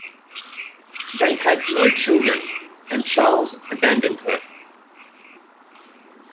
They had no children and Charles abandoned her.